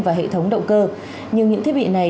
và hệ thống động cơ nhưng những thiết bị này